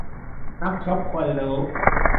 นักช้อปควรรู้